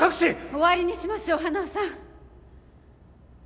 終わりにしましょう花輪さん。